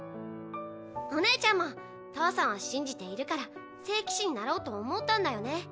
お姉ちゃんも父さんを信じているから聖騎士になろうと思ったんだよね？